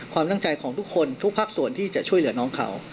ความตั้งใจของทุกคนทุกภาคส่วนที่จะช่วยเหลือน้องเขา